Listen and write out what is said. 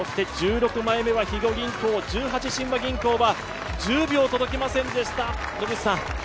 １６枚目は、肥後銀行、十八親和銀行は１０秒届きませんでした。